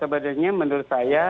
sebenarnya menurut saya